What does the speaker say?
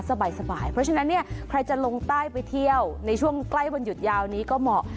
บ่ายเพราะฉะนั้นเนี่ยใครจะลงใต้ไปเที่ยวในช่วงใกล้วันหยุดยาวนี้ก็เหมาะ